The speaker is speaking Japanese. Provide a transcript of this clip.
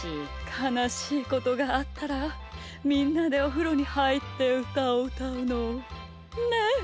かなしいことがあったらみんなでおふろにはいってうたをうたうの！ね？ね！